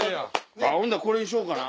ほんならこれにしようかな。